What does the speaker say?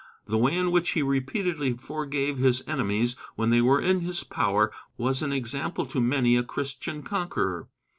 The way in which he repeatedly forgave his enemies when they were in his power was an example to many a Christian conqueror.